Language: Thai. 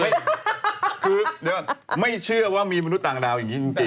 เดี๋ยวไม่เชื่อว่ามีมนุษย์ต่างดาวจริง